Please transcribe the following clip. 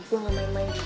gue gak main main